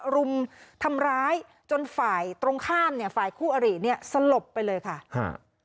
รุมทำร้ายจนฝ่ายตรงข้ามเนี่ยฝ่ายคู่อริเนี่ยสลบไปเลยค่ะฮะ